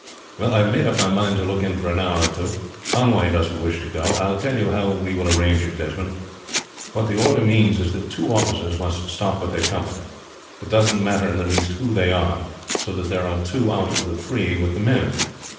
"Well, I have made up my mind to look in for an hour or two. Conway doesn't wish to go. I'll tell you how we will arrange, Desmond. What the order means is that two officers must stop with their company. It doesn't matter in the least who they are; so that there are two out of the three with the men.